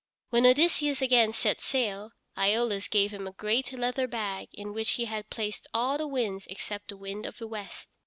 When Odysseus again set sail, Æolus gave him a great leather bag in which he had placed all the winds except the wind of the west.